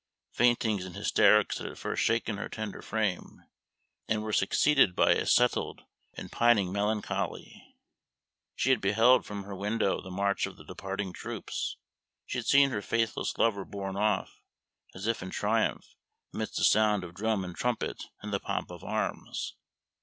Faintings and hysterics had at first shaken her tender frame, and were succeeded by a settled and pining melancholy. She had beheld from her window the march of the departing troops. She had seen her faithless lover borne off, as if in triumph, amidst the sound of drum and trumpet and the pomp of arms.